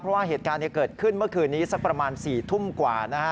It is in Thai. เพราะว่าเหตุการณ์เกิดขึ้นเมื่อคืนนี้สักประมาณ๔ทุ่มกว่านะฮะ